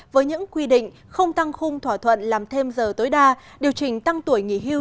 với những quy định không tăng khung thỏa thuận làm thêm giờ tối đa điều chỉnh tăng tuổi nghỉ hưu